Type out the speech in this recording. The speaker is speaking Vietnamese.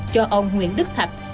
cho ông nguyễn đức thạch